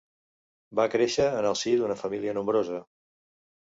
Va créixer en el si d'una família nombrosa.